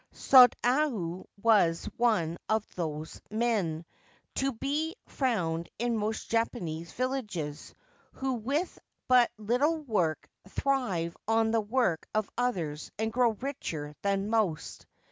Sodayu was one of those men, to be found in most Japanese villages, who with but little work thrive on the work of others and grow richer than most.